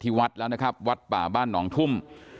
วัดแล้วนะครับวัดป่าบ้านหนองทุ่ม